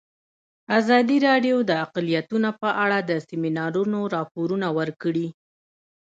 ازادي راډیو د اقلیتونه په اړه د سیمینارونو راپورونه ورکړي.